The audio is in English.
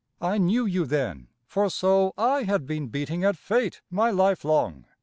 I knew you then, for so I had been beating at fate my life long.